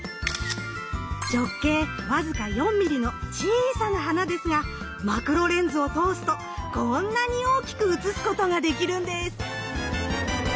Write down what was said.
直径僅か４ｍｍの小さな花ですがマクロレンズを通すとこんなに大きく写すことができるんです！